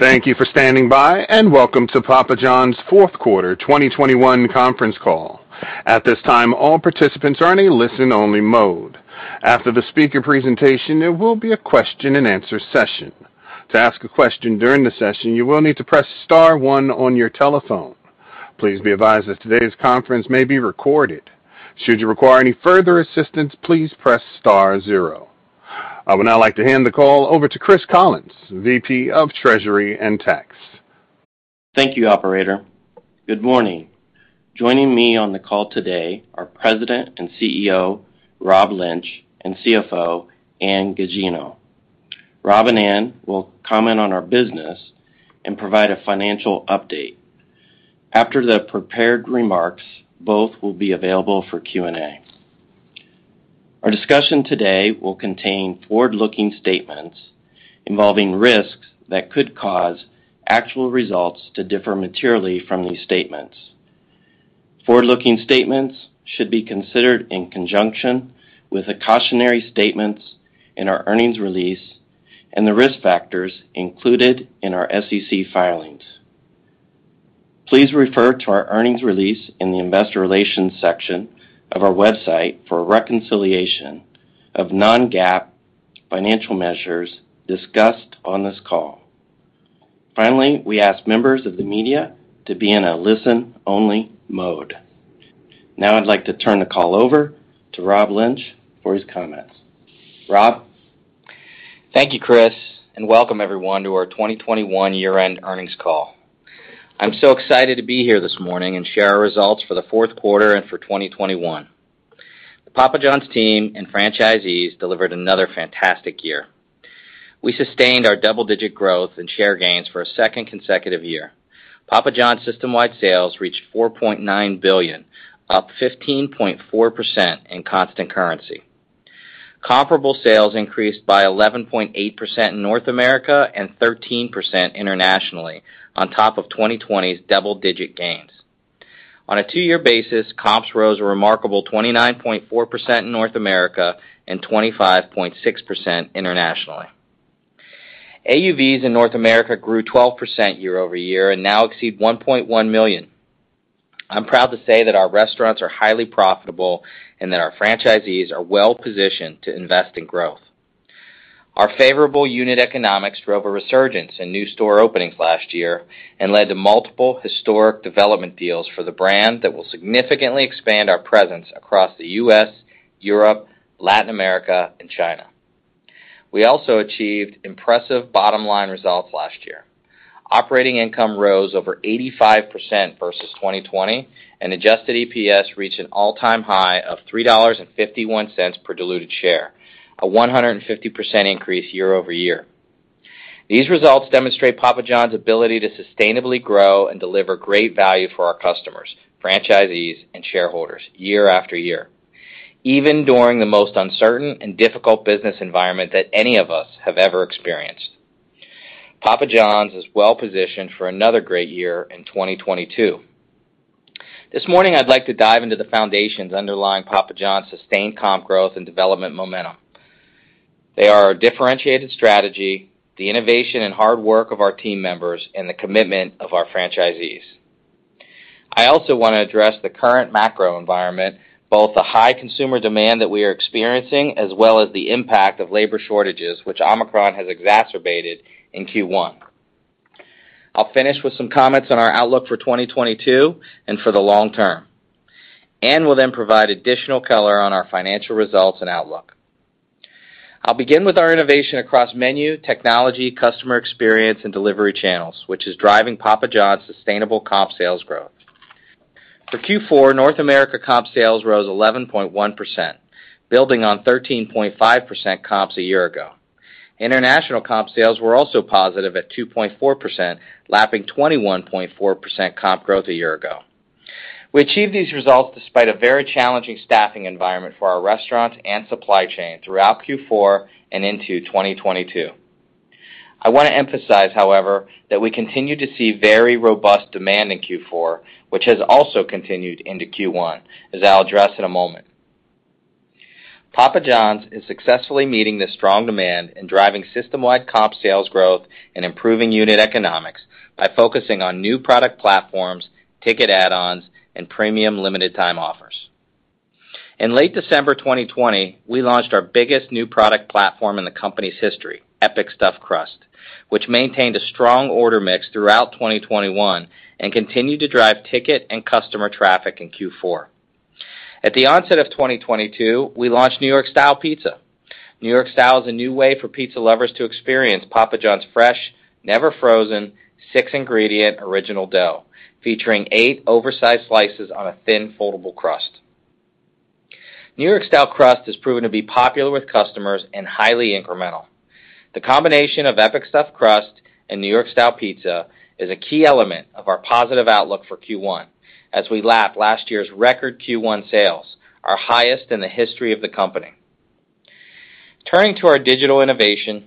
Thank you for standing by, and welcome to Papa John's Q4 2021 conference call. At this time, all participants are in a listen-only mode. After the speaker presentation, there will be a question-and-answer session. To ask a question during the session, you will need to press star one on your telephone. Please be advised that today's conference may be recorded. Should you require any further assistance, please press star zero. I would now like to hand the call over to Chris Collins, VP of Treasury and Tax. Thank you, operator. Good morning. Joining me on the call today are President and CEO, Rob Lynch, and CFO, Ann Gugino. Rob and Ann will comment on our business and provide a financial update. After the prepared remarks, both will be available for Q&A. Our discussion today will contain forward-looking statements involving risks that could cause actual results to differ materially from these statements. Forward-looking statements should be considered in conjunction with the cautionary statements in our earnings release and the risk factors included in our SEC filings. Please refer to our earnings release in the investor relations section of our website for a reconciliation of non-GAAP financial measures discussed on this call. Finally, we ask members of the media to be in a listen-only mode. Now I'd like to turn the call over to Rob Lynch for his comments. Rob? Thank you, Chris, and welcome everyone to our 2021 year-end earnings call. I'm so excited to be here this morning and share our results for the Q4 and for 2021. The Papa John's team and franchisees delivered another fantastic year. We sustained our double-digit growth and share gains for a second consecutive year. Papa John's system-wide sales reached $4.9 billion, up 15.4% in constant currency. Comparable sales increased by 11.8% in North America and 13% internationally on top of 2020's double-digit gains. On a two-year basis, comps rose a remarkable 29.4% in North America and 25.6% internationally. AUVs in North America grew 12% year-over-year and now exceed $1.1 million. I'm proud to say that our restaurants are highly profitable and that our franchisees are well-positioned to invest in growth. Our favorable unit economics drove a resurgence in new store openings last year and led to multiple historic development deals for the brand that will significantly expand our presence across the U.S., Europe, Latin America, and China. We also achieved impressive bottom-line results last year. Operating income rose over 85% versus 2020, and adjusted EPS reached an all-time high of $3.51 per diluted share, a 150% increase year over year. These results demonstrate Papa John's ability to sustainably grow and deliver great value for our customers, franchisees, and shareholders year after year, even during the most uncertain and difficult business environment that any of us have ever experienced. Papa John's is well positioned for another great year in 2022. This morning I'd like to dive into the foundations underlying Papa John's sustained comp growth and development momentum. They are a differentiated strategy, the innovation and hard work of our team members, and the commitment of our franchisees. I also want to address the current macro environment, both the high consumer demand that we are experiencing, as well as the impact of labor shortages, which Omicron has exacerbated in Q1. I'll finish with some comments on our outlook for 2022 and for the long term, and we'll then provide additional color on our financial results and outlook. I'll begin with our innovation across menu, technology, customer experience, and delivery channels, which is driving Papa John's sustainable comp sales growth. For Q4, North America comp sales rose 11.1%, building on 13.5% comps a year ago. International comp sales were also positive at 2.4%, lapping 21.4% comp growth a year ago. We achieved these results despite a very challenging staffing environment for our restaurants and supply chain throughout Q4 and into 2022. I want to emphasize, however, that we continue to see very robust demand in Q4, which has also continued into Q1, as I'll address in a moment. Papa John's is successfully meeting the strong demand and driving system-wide comp sales growth and improving unit economics by focusing on new product platforms, ticket add-ons, and premium limited time offers. In late December 2020, we launched our biggest new product platform in the company's history, Epic Stuffed Crust, which maintained a strong order mix throughout 2021 and continued to drive ticket and customer traffic in Q4. At the onset of 2022, we launched New York Style Pizza. New York Style Pizza is a new way for pizza lovers to experience Papa John's fresh, never-frozen, six-ingredient original dough, featuring eight oversized slices on a thin, foldable crust. New York Style crust has proven to be popular with customers and highly incremental. The combination of Epic Stuffed Crust and New York Style Pizza is a key element of our positive outlook for Q1 as we lap last year's record Q1 sales, our highest in the history of the company. Turning to our digital innovation,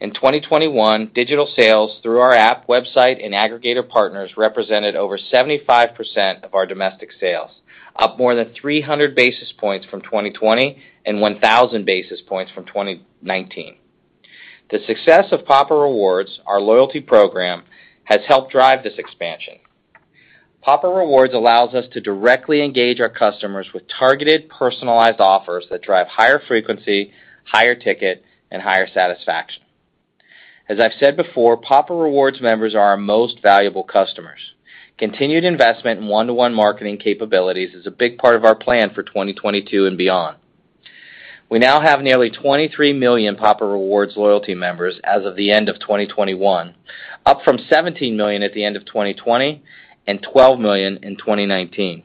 in 2021, digital sales through our app, website, and aggregator partners represented over 75% of our domestic sales, up more than 300 basis points from 2020 and 1,000 basis points from 2019. The success of Papa Rewards, our loyalty program, has helped drive this expansion. Papa Rewards allows us to directly engage our customers with targeted personalized offers that drive higher frequency, higher ticket, and higher satisfaction. As I've said before, Papa Rewards members are our most valuable customers. Continued investment in one-to-one marketing capabilities is a big part of our plan for 2022 and beyond. We now have nearly 23 million Papa Rewards loyalty members as of the end of 2021, up from 17 million at the end of 2020 and 12 million in 2019.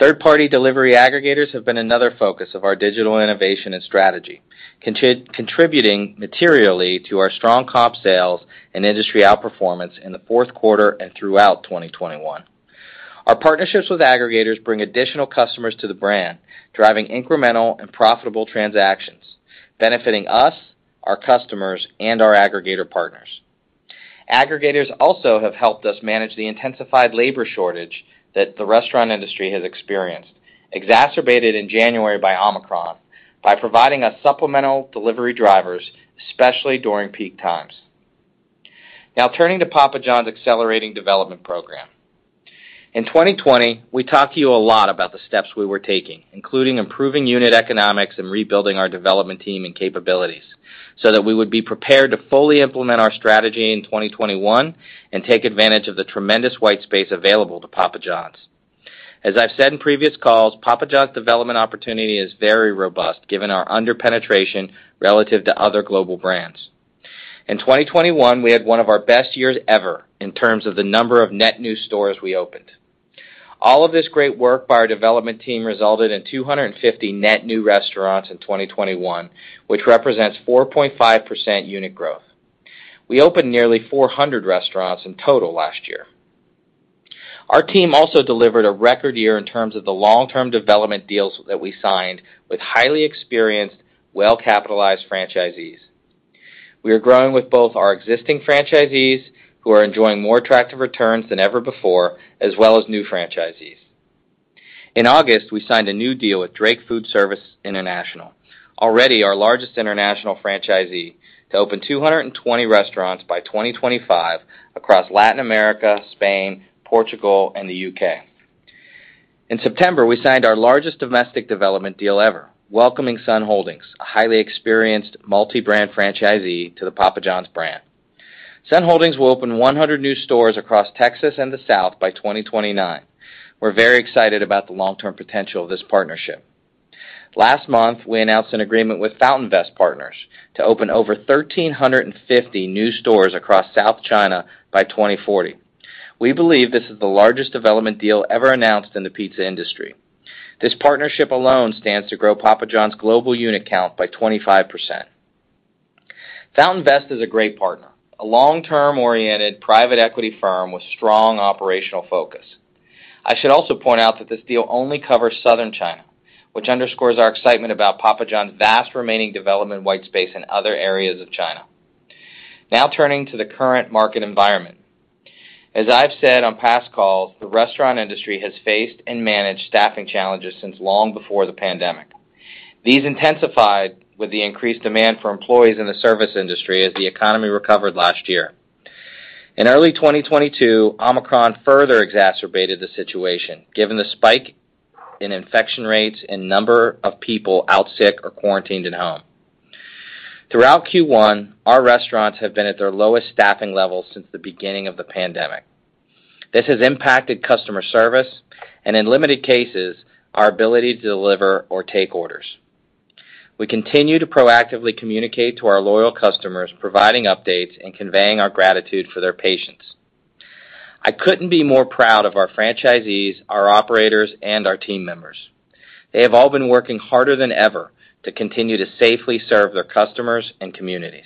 Third-party delivery aggregators have been another focus of our digital innovation and strategy, contributing materially to our strong comp sales and industry outperformance in the Q4 and throughout 2021. Our partnerships with aggregators bring additional customers to the brand, driving incremental and profitable transactions, benefiting us, our customers, and our aggregator partners. Aggregators also have helped us manage the intensified labor shortage that the restaurant industry has experienced, exacerbated in January by Omicron, by providing us supplemental delivery drivers, especially during peak times. Now turning to Papa John's accelerating development program. In 2020, we talked to you a lot about the steps we were taking, including improving unit economics and rebuilding our development team and capabilities so that we would be prepared to fully implement our strategy in 2021 and take advantage of the tremendous white space available to Papa John's. As I've said in previous calls, Papa John's development opportunity is very robust given our under-penetration relative to other global brands. In 2021, we had one of our best years ever in terms of the number of net new stores we opened. All of this great work by our development team resulted in 250 net new restaurants in 2021, which represents 4.5% unit growth. We opened nearly 400 restaurants in total last year. Our team also delivered a record year in terms of the long-term development deals that we signed with highly experienced, well-capitalized franchisees. We are growing with both our existing franchisees, who are enjoying more attractive returns than ever before, as well as new franchisees. In August, we signed a new deal with Drake Food Service International, already our largest international franchisee, to open 220 restaurants by 2025 across Latin America, Spain, Portugal, and the U.K. In September, we signed our largest domestic development deal ever, welcoming Sun Holdings, a highly experienced multi-brand franchisee to the Papa John's brand. Sun Holdings will open 100 new stores across Texas and the South by 2029. We're very excited about the long-term potential of this partnership. Last month, we announced an agreement with FountainVest Partners to open over 1,350 new stores across South China by 2040. We believe this is the largest development deal ever announced in the pizza industry. This partnership alone stands to grow Papa John's global unit count by 25%. FountainVest is a great partner, a long-term oriented private equity firm with strong operational focus. I should also point out that this deal only covers Southern China, which underscores our excitement about Papa John's vast remaining development white space in other areas of China. Now turning to the current market environment. As I've said on past calls, the restaurant industry has faced and managed staffing challenges since long before the pandemic. These intensified with the increased demand for employees in the service industry as the economy recovered last year. In early 2022, Omicron further exacerbated the situation, given the spike in infection rates and number of people out sick or quarantined at home. Throughout Q1, our restaurants have been at their lowest staffing levels since the beginning of the pandemic. This has impacted customer service and, in limited cases, our ability to deliver or take orders. We continue to proactively communicate to our loyal customers, providing updates and conveying our gratitude for their patience. I couldn't be more proud of our franchisees, our operators, and our team members. They have all been working harder than ever to continue to safely serve their customers and communities.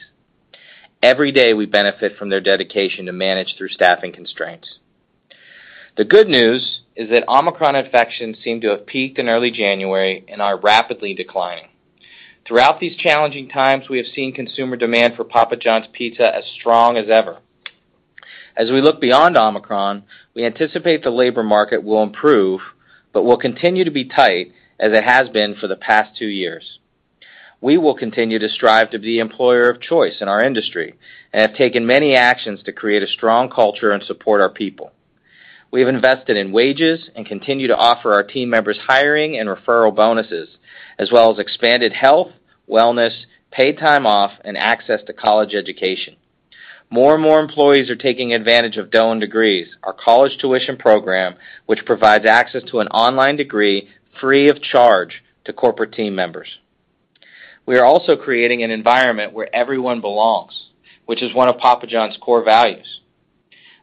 Every day, we benefit from their dedication to manage through staffing constraints. The good news is that Omicron infections seem to have peaked in early January and are rapidly declining. Throughout these challenging times, we have seen consumer demand for Papa John's pizza as strong as ever. As we look beyond Omicron, we anticipate the labor market will improve but will continue to be tight as it has been for the past two years. We will continue to strive to be employer of choice in our industry and have taken many actions to create a strong culture and support our people. We've invested in wages and continue to offer our team members hiring and referral bonuses, as well as expanded health, wellness, paid time off, and access to college education. More and more employees are taking advantage of Dough & Degrees, our college tuition program, which provides access to an online degree free of charge to corporate team members. We are also creating an environment where everyone belongs, which is one of Papa John's core values.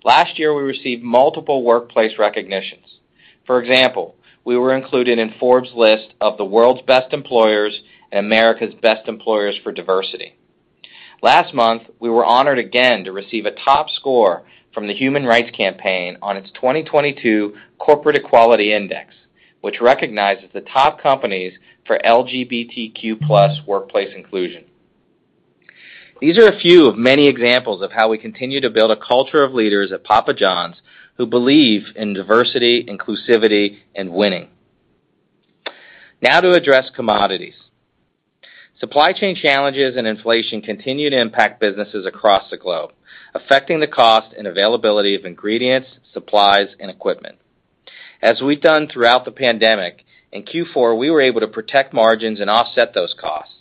Last year, we received multiple workplace recognitions. For example, we were included in Forbes list of the world's best employers and America's best employers for diversity. Last month, we were honored again to receive a top score from the Human Rights Campaign on its 2022 Corporate Equality Index, which recognizes the top companies for LGBTQ+ workplace inclusion. These are a few of many examples of how we continue to build a culture of leaders at Papa John's who believe in diversity, inclusivity, and winning. Now to address commodities. Supply chain challenges and inflation continue to impact businesses across the globe, affecting the cost and availability of ingredients, supplies, and equipment. As we've done throughout the pandemic, in Q4, we were able to protect margins and offset those costs,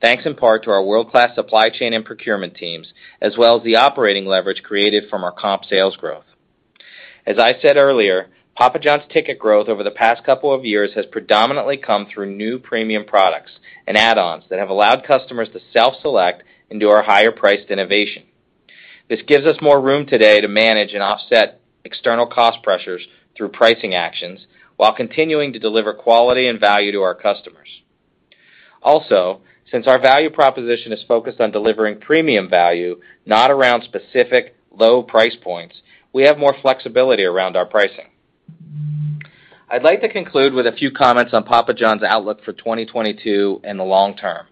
thanks in part to our world-class supply chain and procurement teams, as well as the operating leverage created from our comp sales growth. As I said earlier, Papa John's ticket growth over the past couple of years has predominantly come through new premium products and add-ons that have allowed customers to self-select into our higher-priced innovation. This gives us more room today to manage and offset external cost pressures through pricing actions while continuing to deliver quality and value to our customers. Also, since our value proposition is focused on delivering premium value, not around specific low price points, we have more flexibility around our pricing. I'd like to conclude with a few comments on Papa John's outlook for 2022 and the long term.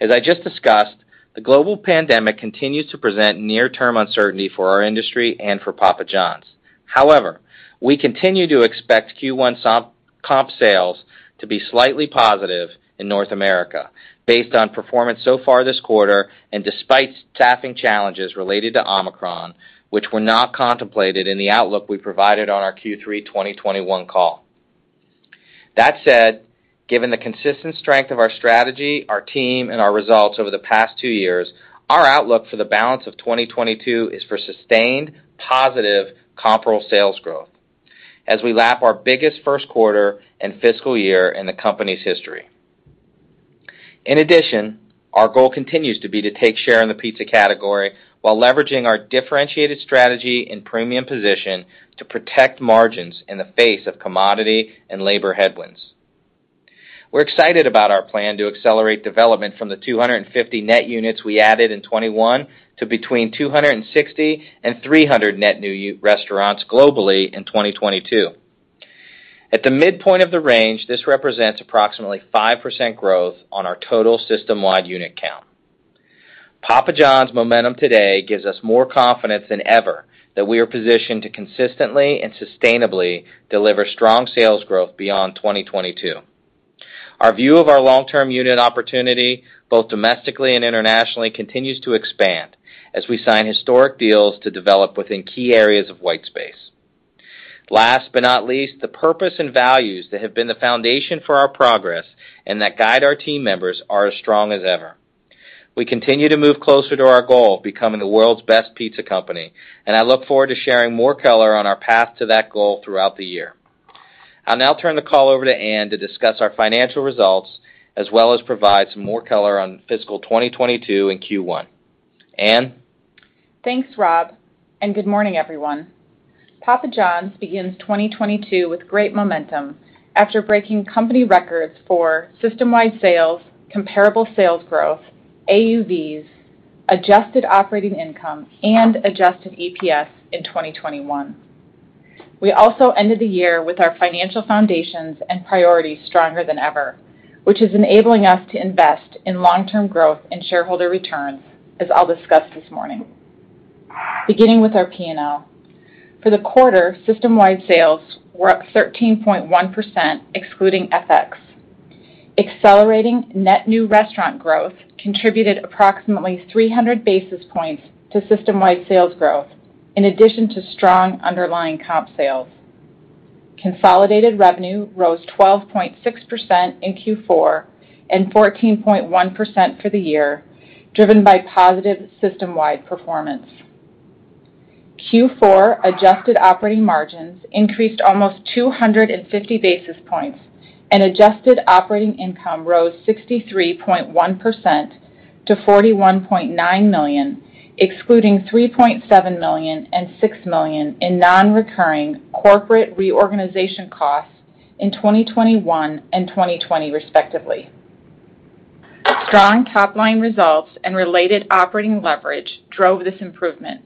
As I just discussed, the global pandemic continues to present near-term uncertainty for our industry and for Papa John's. However, we continue to expect Q1's comp sales to be slightly positive in North America based on performance so far this quarter and despite staffing challenges related to Omicron, which were not contemplated in the outlook we provided on our Q3 2021 call. That said, given the consistent strength of our strategy, our team, and our results over the past two years, our outlook for the balance of 2022 is for sustained, positive comparable sales growth as we lap our biggest Q1 and FY in the company's history. In addition, our goal continues to be to take share in the pizza category while leveraging our differentiated strategy and premium position to protect margins in the face of commodity and labor headwinds. We're excited about our plan to accelerate development from the 250 net units we added in 2021 to between 260 and 300 net new restaurants globally in 2022. At the midpoint of the range, this represents approximately 5% growth on our total systemwide unit count. Papa John's momentum today gives us more confidence than ever that we are positioned to consistently and sustainably deliver strong sales growth beyond 2022. Our view of our long-term unit opportunity, both domestically and internationally, continues to expand as we sign historic deals to develop within key areas of whitespace. Last but not least, the purpose and values that have been the foundation for our progress and that guide our team members are as strong as ever. We continue to move closer to our goal of becoming the world's best pizza company, and I look forward to sharing more color on our path to that goal throughout the year. I'll now turn the call over to Ann to discuss our financial results as well as provide some more color on fiscal 2022 and Q1. Ann? Thanks, Rob, and good morning, everyone. Papa John's begins 2022 with great momentum after breaking company records for systemwide sales, comparable sales growth, AUVs, adjusted operating income, and adjusted EPS in 2021. We also ended the year with our financial foundations and priorities stronger than ever, which is enabling us to invest in long-term growth and shareholder returns, as I'll discuss this morning. Beginning with our P&L, for the quarter, systemwide sales were up 13.1% excluding FX. Accelerating net new restaurant growth contributed approximately 300 basis points to systemwide sales growth in addition to strong underlying comp sales. Consolidated revenue rose 12.6% in Q4 and 14.1% for the year, driven by positive systemwide performance. Q4 adjusted operating margins increased almost 250 basis points and adjusted operating income rose 63.1% to $41.9 million, excluding $3.7 million and $6 million in non-recurring corporate reorganization costs in 2021 and 2020 respectively. Strong top-line results and related operating leverage drove this improvement,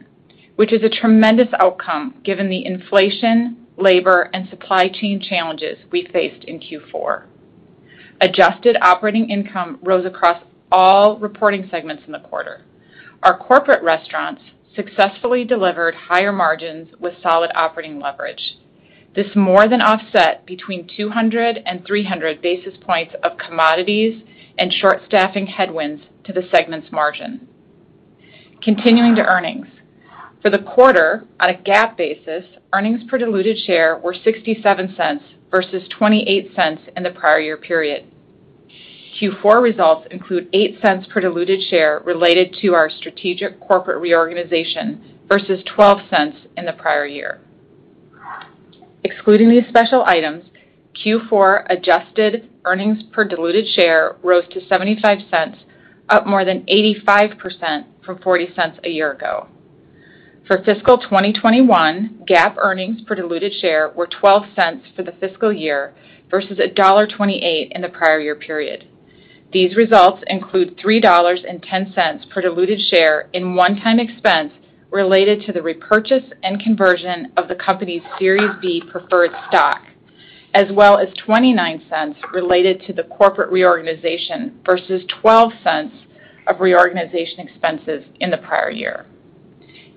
which is a tremendous outcome given the inflation, labor, and supply chain challenges we faced in Q4. Adjusted operating income rose across all reporting segments in the quarter. Our corporate restaurants successfully delivered higher margins with solid operating leverage. This more than offset between 200 and 300 basis points of commodities and short staffing headwinds to the segment's margin. Continuing to earnings, for the quarter, on a GAAP basis, earnings per diluted share were $0.67 versus $0.28 in the prior year period. Q4 results include $0.08 per diluted share related to our strategic corporate reorganization versus $0.12 in the prior year. Excluding these special items, Q4 adjusted earnings per diluted share rose to $0.75, up more than 85% from $0.40 a year ago. For fiscal 2021, GAAP earnings per diluted share were $0.12 for the FY versus $1.28 in the prior year period. These results include $3.10 per diluted share in one-time expense related to the repurchase and conversion of the company's Series B preferred stock, as well as $0.29 related to the corporate reorganization versus $0.12 of reorganization expenses in the prior year.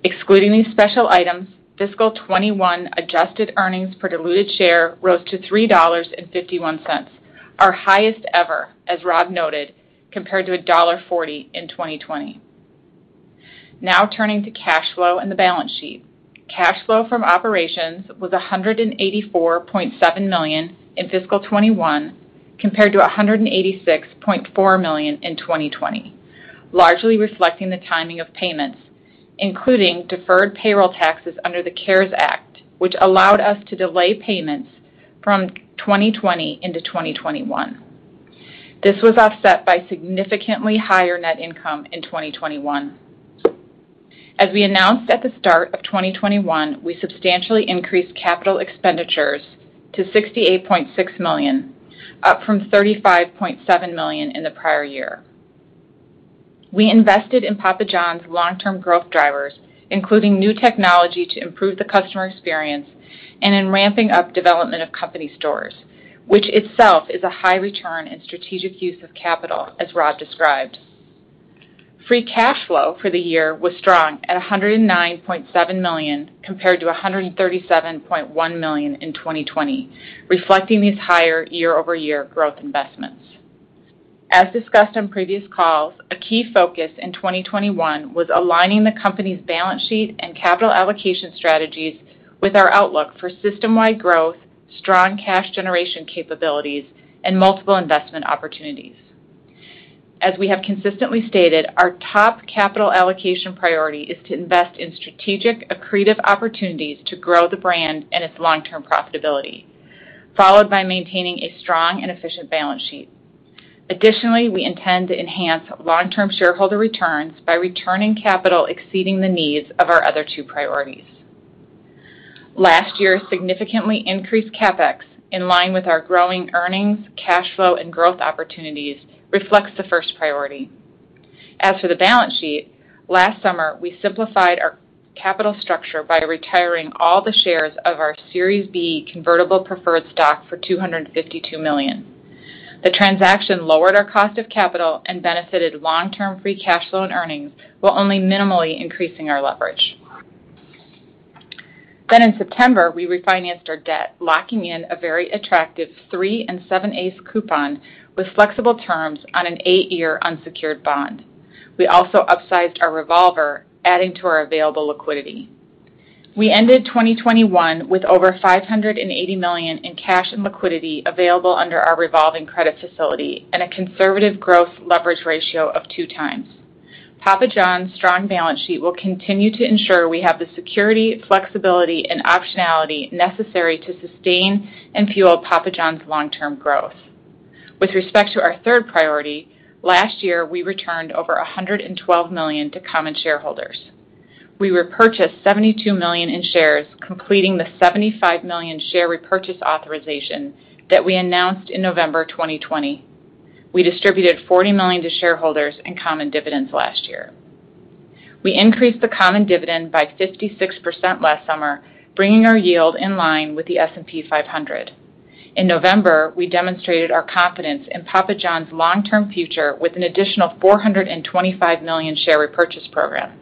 Excluding these special items, fiscal 2021 adjusted earnings per diluted share rose to $3.51, our highest ever, as Rob noted, compared to $1.40 in 2020. Now turning to cash flow and the balance sheet. Cash flow from operations was $184.7 million in fiscal 2021, compared to $186.4 million in 2020, largely reflecting the timing of payments, including deferred payroll taxes under the CARES Act, which allowed us to delay payments from 2020 into 2021. This was offset by significantly higher net income in 2021. As we announced at the start of 2021, we substantially increased capital expenditures to $68.6 million, up from $35.7 million in the prior year. We invested in Papa John's long-term growth drivers, including new technology to improve the customer experience and in ramping up development of company stores, which itself is a high return in strategic use of capital, as Rob described. Free cash flow for the year was strong at $109.7 million, compared to $137.1 million in 2020, reflecting these higher year-over-year growth investments. As discussed on previous calls, a key focus in 2021 was aligning the company's balance sheet and capital allocation strategies with our outlook for system-wide growth, strong cash generation capabilities, and multiple investment opportunities. As we have consistently stated, our top capital allocation priority is to invest in strategic, accretive opportunities to grow the brand and its long-term profitability, followed by maintaining a strong and efficient balance sheet. Additionally, we intend to enhance long-term shareholder returns by returning capital exceeding the needs of our other two priorities. Last year, significantly increased CapEx, in line with our growing earnings, cash flow, and growth opportunities, reflects the first priority. As for the balance sheet, last summer, we simplified our capital structure by retiring all the shares of our Series B convertible preferred stock for $252 million. The transaction lowered our cost of capital and benefited long-term free cash flow and earnings, while only minimally increasing our leverage. In September, we refinanced our debt, locking in a very attractive 3 7/8% coupon with flexible terms on an eight-year unsecured bond. We also upsized our revolver, adding to our available liquidity. We ended 2021 with over $580 million in cash and liquidity available under our revolving credit facility and a conservative growth leverage ratio of 2x. Papa John's strong balance sheet will continue to ensure we have the security, flexibility, and optionality necessary to sustain and fuel Papa John's long-term growth. With respect to our third priority, last year, we returned over $112 million to common shareholders. We repurchased $72 million in shares, completing the $75 million share repurchase authorization that we announced in November 2020. We distributed $40 million to shareholders in common dividends last year. We increased the common dividend by 56% last summer, bringing our yield in line with the S&P 500. In November, we demonstrated our confidence in Papa John's long-term future with an additional $425 million share repurchase program.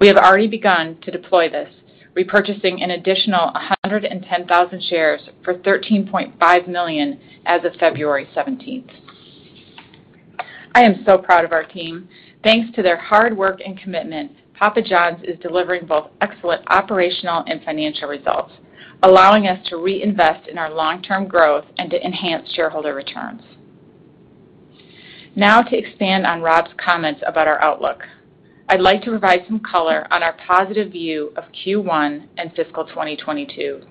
We have already begun to deploy this, repurchasing an additional 110,000 shares for $13.5 million as of February seventeenth. I am so proud of our team. Thanks to their hard work and commitment, Papa John's is delivering both excellent operational and financial results, allowing us to reinvest in our long-term growth and to enhance shareholder returns. Now to expand on Rob's comments about our outlook. I'd like to provide some color on our positive view of Q1 and fiscal 2022.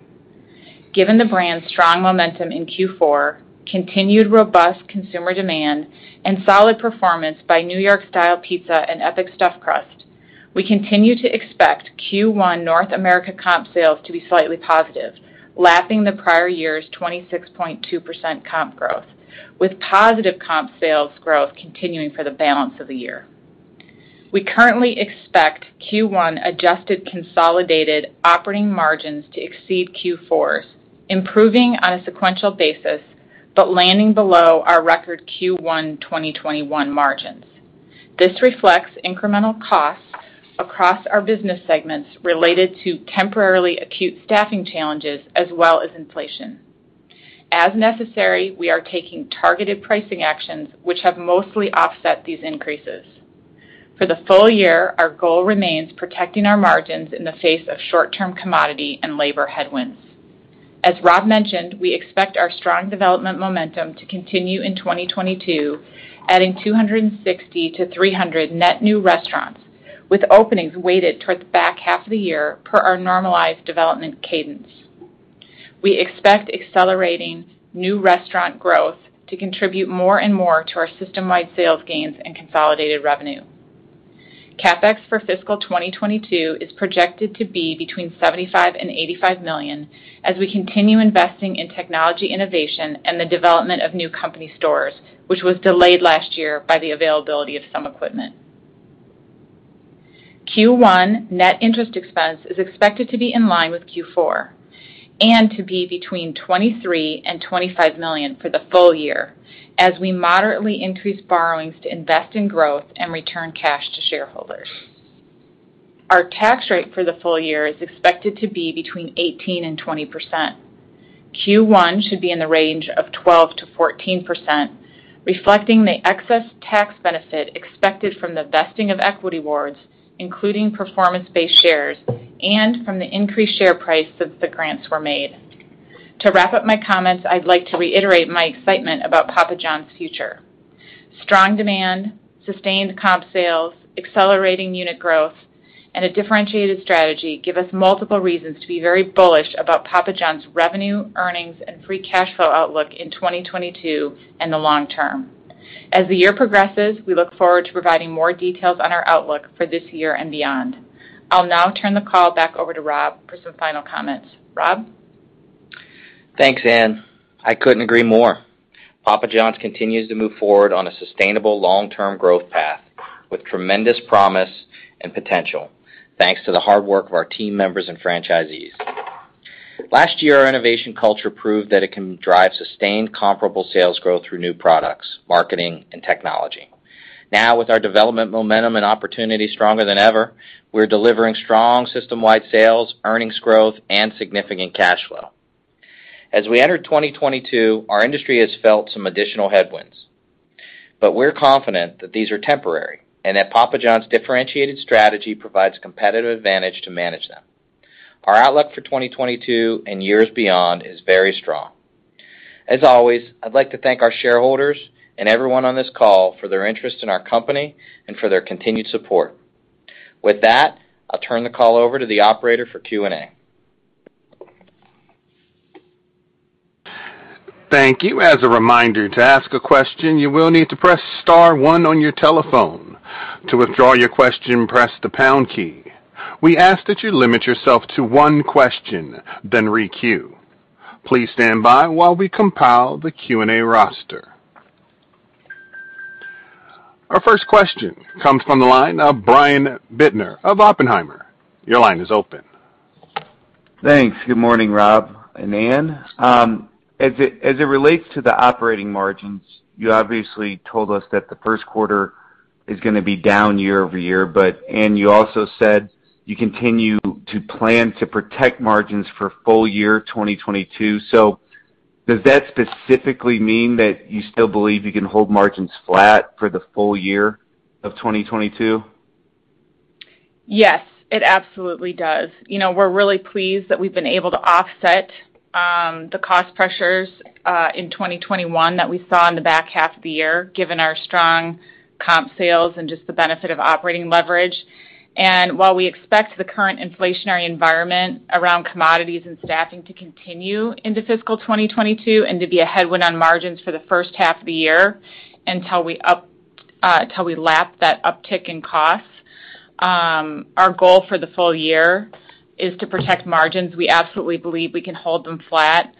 Given the brand's strong momentum in Q4, continued robust consumer demand, and solid performance by New York Style Pizza and Epic Stuffed Crust, we continue to expect Q1 North America comp sales to be slightly positive, lapping the prior year's 26.2% comp growth, with positive comp sales growth continuing for the balance of the year. We currently expect Q1 adjusted consolidated operating margins to exceed Q4's, improving on a sequential basis, but landing below our record Q1 2021 margins. This reflects incremental costs across our business segments related to temporarily acute staffing challenges as well as inflation. As necessary, we are taking targeted pricing actions which have mostly offset these increases. For the full year, our goal remains protecting our margins in the face of short-term commodity and labor headwinds. As Rob mentioned, we expect our strong development momentum to continue in 2022, adding 260-300 net new restaurants, with openings weighted towards the back half of the year per our normalized development cadence. We expect accelerating new restaurant growth to contribute more and more to our system-wide sales gains and consolidated revenue. CapEx for fiscal 2022 is projected to be between $75 million and $85 million as we continue investing in technology innovation and the development of new company stores, which was delayed last year by the availability of some equipment. Q1 net interest expense is expected to be in line with Q4, and to be between $23 million and $25 million for the full year, as we moderately increase borrowings to invest in growth and return cash to shareholders. Our tax rate for the full year is expected to be between 18% and 20%. Q1 should be in the range of 12%-14%, reflecting the excess tax benefit expected from the vesting of equity awards, including performance-based shares, and from the increased share price since the grants were made. To wrap up my comments, I'd like to reiterate my excitement about Papa John's future. Strong demand, sustained comp sales, accelerating unit growth, and a differentiated strategy give us multiple reasons to be very bullish about Papa John's revenue, earnings, and free cash flow outlook in 2022 and the long term. As the year progresses, we look forward to providing more details on our outlook for this year and beyond. I'll now turn the call back over to Rob for some final comments. Rob? Thanks, Ann. I couldn't agree more. Papa John's continues to move forward on a sustainable long-term growth path with tremendous promise and potential thanks to the hard work of our team members and franchisees. Last year, our innovation culture proved that it can drive sustained comparable sales growth through new products, marketing, and technology. Now, with our development momentum and opportunity stronger than ever, we're delivering strong system-wide sales, earnings growth, and significant cash flow. As we enter 2022, our industry has felt some additional headwinds, but we're confident that these are temporary and that Papa John's differentiated strategy provides competitive advantage to manage them. Our outlook for 2022 and years beyond is very strong. As always, I'd like to thank our shareholders and everyone on this call for their interest in our company and for their continued support. With that, I'll turn the call over to the operator for Q&A. Thank you. As a reminder, to ask a question, you will need to press star one on your telephone. To withdraw your question, press the pound key. We ask that you limit yourself to one question, then re-queue. Please stand by while we compile the Q&A roster. Our first question comes from the line of Brian Bittner of Oppenheimer. Your line is open. Thanks. Good morning, Rob and Ann. As it relates to the operating margins, you obviously told us that the Q1 is gonna be down year-over-year. Ann, you also said you continue to plan to protect margins for full year 2022. Does that specifically mean that you still believe you can hold margins flat for the full year of 2022? Yes, it absolutely does. You know, we're really pleased that we've been able to offset the cost pressures in 2021 that we saw in the back half of the year, given our strong comp sales and just the benefit of operating leverage. While we expect the current inflationary environment around commodities and staffing to continue into fiscal 2022 and to be a headwind on margins for the H1 of the year until we lap that uptick in costs, our goal for the full year is to protect margins. We absolutely believe we can hold them flat.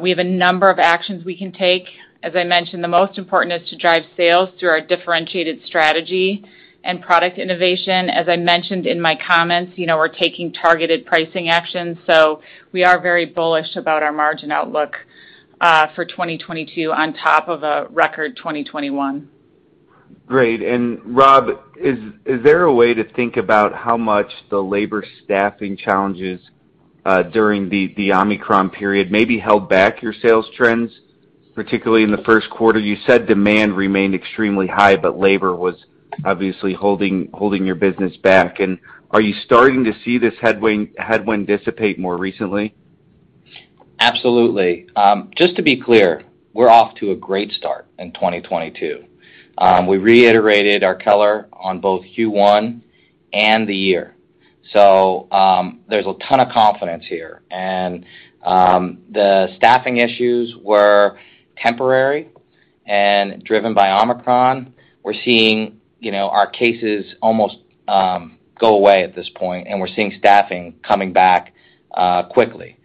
We have a number of actions we can take. As I mentioned, the most important is to drive sales through our differentiated strategy and product innovation. As I mentioned in my comments, you know, we're taking targeted pricing actions, so we are very bullish about our margin outlook for 2022 on top of a record 2021. Great. Rob, is there a way to think about how much the labor staffing challenges during the Omicron period maybe held back your sales trends, particularly in the Q1? You said demand remained extremely high, but labor was obviously holding your business back. Are you starting to see this headwind dissipate more recently? Absolutely. Just to be clear, we're off to a great start in 2022. We reiterated our color on both Q1 and the year. There's a ton of confidence here. The staffing issues were temporary and driven by Omicron. We're seeing, you know, our cases almost go away at this point, and we're seeing staffing coming back quickly.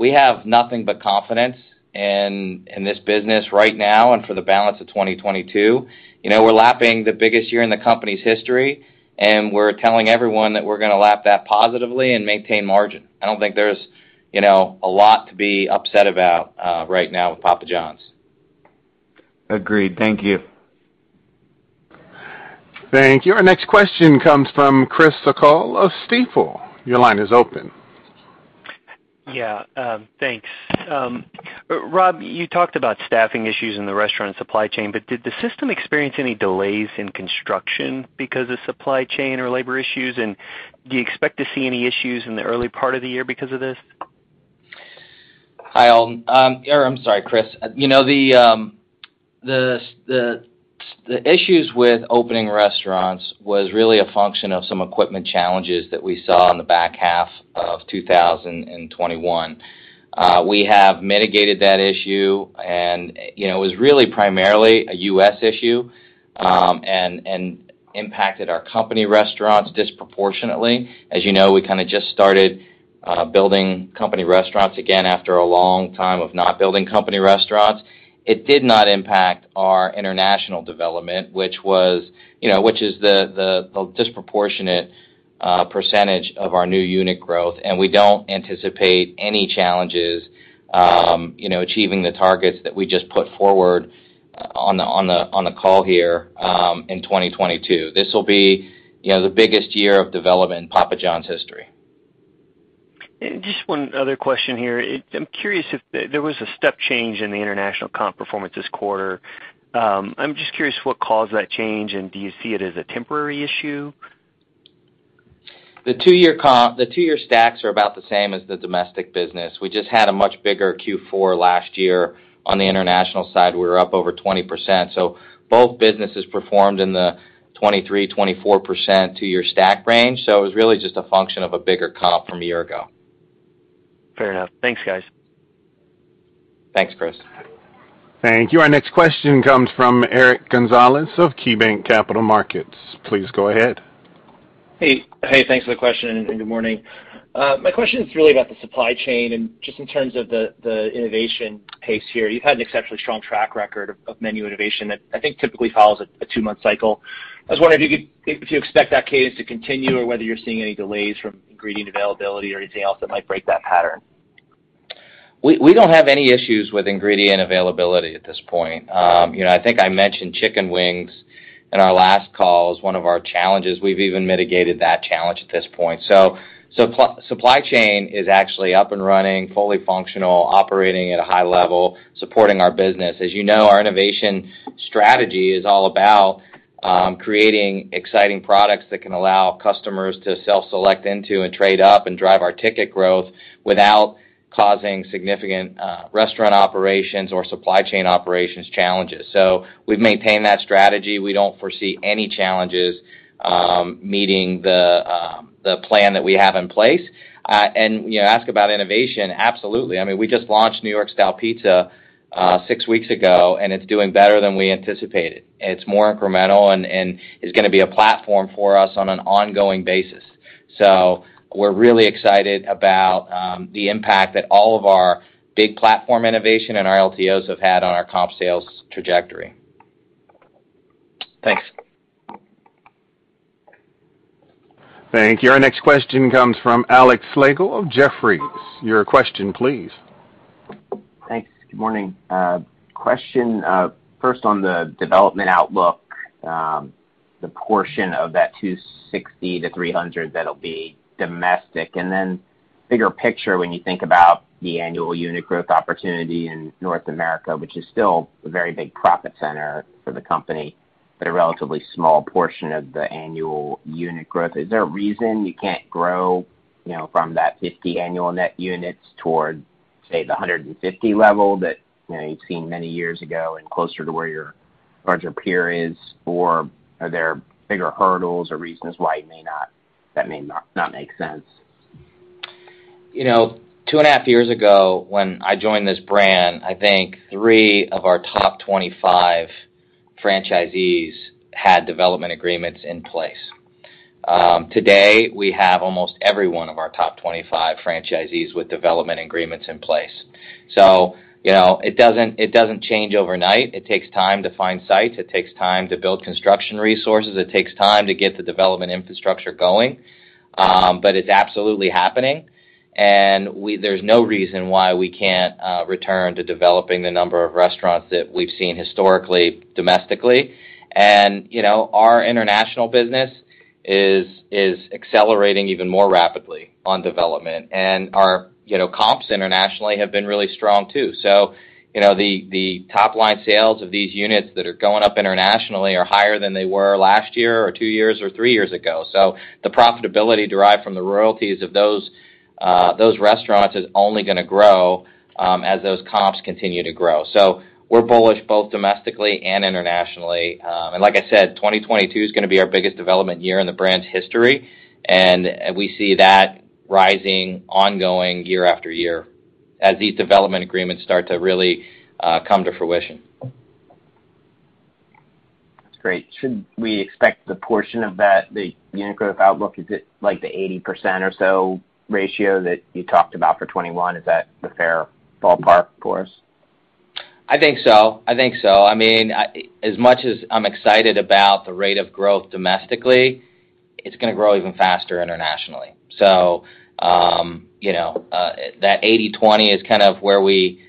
We have nothing but confidence in this business right now and for the balance of 2022. You know, we're lapping the biggest year in the company's history, and we're telling everyone that we're gonna lap that positively and maintain margin. I don't think there's, you know, a lot to be upset about right now with Papa Johns. Agreed. Thank you. Thank you. Our next question comes from Chris O'Cull of Stifel. Your line is open. Yeah. Thanks. Rob, you talked about staffing issues in the restaurant supply chain, but did the system experience any delays in construction because of supply chain or labor issues? Do you expect to see any issues in the early part of the year because of this? Hi, Alton. Or I'm sorry, Chris. You know, the issues with opening restaurants was really a function of some equipment challenges that we saw in the back half of 2021. We have mitigated that issue, and, you know, it was really primarily a U.S. issue, and impacted our company restaurants disproportionately. As you know, we kind of just started building company restaurants again after a long time of not building company restaurants. It did not impact our international development, which is the disproportionate percentage of our new unit growth, and we don't anticipate any challenges, you know, achieving the targets that we just put forward on the call here, in 2022. This will be, you know, the biggest year of development in Papa John's history. Just one other question here. I'm curious if there was a step change in the international comp performance this quarter. I'm just curious what caused that change, and do you see it as a temporary issue? The two-year stacks are about the same as the domestic business. We just had a much bigger Q4 last year on the international side, we were up over 20%. Both businesses performed in the 23%-24% two-year stack range. It was really just a function of a bigger comp from a year ago. Fair enough. Thanks, guys. Thanks, Chris. Thank you. Our next question comes from Eric Gonzalez of KeyBanc Capital Markets. Please go ahead. Hey, hey, thanks for the question, and good morning. My question is really about the supply chain and just in terms of the innovation pace here. You've had an exceptionally strong track record of menu innovation that I think typically follows a two-month cycle. I was wondering if you expect that cadence to continue or whether you're seeing any delays from ingredient availability or anything else that might break that pattern. We don't have any issues with ingredient availability at this point. You know, I think I mentioned chicken wings in our last call as one of our challenges. We've even mitigated that challenge at this point. Supply chain is actually up and running, fully functional, operating at a high level, supporting our business. As you know, our innovation strategy is all about creating exciting products that can allow customers to self-select into and trade up and drive our ticket growth without causing significant restaurant operations or supply chain operations challenges. We've maintained that strategy. We don't foresee any challenges meeting the plan that we have in place. You ask about innovation. Absolutely. I mean, we just launched New York Style Pizza six weeks ago, and it's doing better than we anticipated. It's more incremental and is gonna be a platform for us on an ongoing basis. We're really excited about the impact that all of our big platform innovation and our LTOs have had on our comp sales trajectory. Thanks. Thank you. Our next question comes from Alex Slagle of Jefferies. Your question, please. Thanks. Good morning. Question, first on the development outlook, the portion of that 260-300 that'll be domestic, and then bigger picture when you think about the annual unit growth opportunity in North America, which is still a very big profit center for the company, but a relatively small portion of the annual unit growth. Is there a reason you can't grow, you know, from that 50 annual net units towards, say, the 150 level that, you know, you've seen many years ago and closer to where your larger peer is? Or are there bigger hurdles or reasons why it may not make sense? You know, 2.5 Years ago, when I joined this brand, I think three of our top 25 franchisees had development agreements in place. Today, we have almost every one of our top 25 franchisees with development agreements in place. You know, it doesn't change overnight. It takes time to find sites. It takes time to build construction resources. It takes time to get the development infrastructure going. It's absolutely happening. There's no reason why we can't return to developing the number of restaurants that we've seen historically, domestically. You know, our international business is accelerating even more rapidly on development. Our, you know, comps internationally have been really strong, too. You know, the top line sales of these units that are going up internationally are higher than they were last year or two years or three years ago. The profitability derived from the royalties of those restaurants is only gonna grow as those comps continue to grow. We're bullish both domestically and internationally. Like I said, 2022 is gonna be our biggest development year in the brand's history, and we see that rising ongoing year after year as these development agreements start to really come to fruition. That's great. Should we expect the portion of that, the unit growth outlook, is it like the 80% or so ratio that you talked about for 2021? Is that the fair ballpark for us? I think so. I mean, as much as I'm excited about the rate of growth domestically, it's gonna grow even faster internationally. You know, that 80/20 is kind of where we